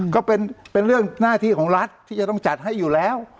ก็เป็นเรื่องหน้าที่ของรัฐที่จะต้องจัดให้อยู่แล้ว